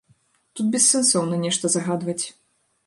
Тут бессэнсоўна нешта загадваць.